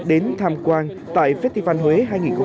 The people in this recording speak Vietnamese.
đến tham quan tại festival huế hai nghìn hai mươi hai